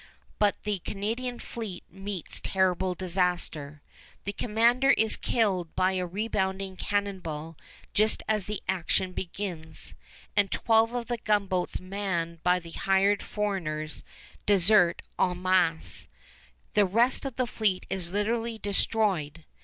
But the Canadian fleet meets terrible disaster. The commander is killed by a rebounding cannon ball just as the action begins; and twelve of the gunboats manned by the hired foreigners desert en masse. The rest of the fleet is literally destroyed.